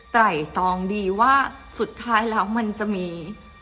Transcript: ไรตองดีว่าสุดท้ายแล้วมันจะมี